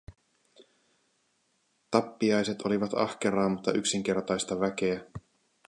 Tappiaiset olivat ahkeraa, mutta yksinkertaista väkeä.